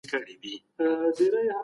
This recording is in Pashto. خان له زین او له کیزې